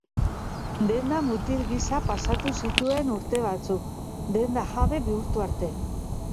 Denda mutil gisa pasatu zituen urte batzuk, denda jabe bihurtu arte.